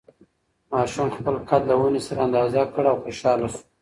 ماشوم خپل قد له ونې سره اندازه کړ او خوشحاله شو.